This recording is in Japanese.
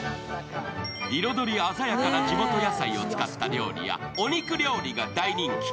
彩り鮮やかな地元野菜を使った料理やお肉料理が大人気。